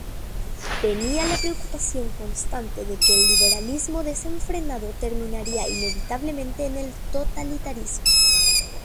Tenía la preocupación constante de que el liberalismo desenfrenado terminaría inevitablemente en el totalitarismo.